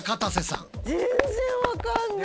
全然分かんない。